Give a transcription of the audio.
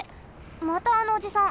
またあのおじさん。